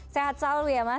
sehat selalu ya mas